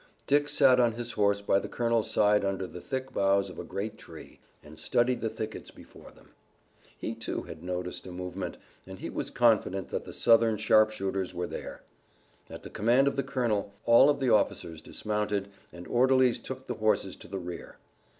Dick sat on his horse by the colonel's side under the thick boughs of a great tree, and studied the thickets before them. He, too, had noticed a movement, and he was confident that the Southern sharpshooters were there. At the command of the colonel all of the officers dismounted, and orderlies took the horses to the rear.